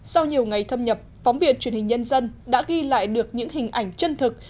sau nhiều ngày thâm nhập phóng viên truyền hình nhân dân đã ghi lại được những hình ảnh chân thực